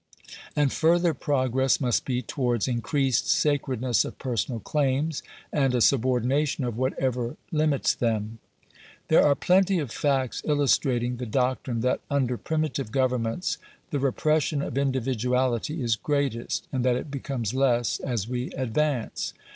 And further progress must be towards increased saoredness of personal claims, and a subordination of whatever limits them. There are plenty of facts illustrating the doctrine that under primitive governments the repression of individuality is greatest, and that it becomes less as we advance.